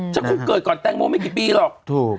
ฉันคงเกิดก่อนแตงโมไม่กี่ปีหรอกถูก